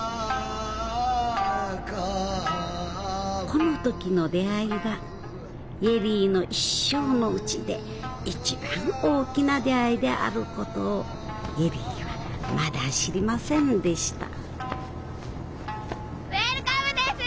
この時の出会いが恵里の一生のうちで一番大きな出会いであることを恵里はまだ知りませんでしたウエルカムです！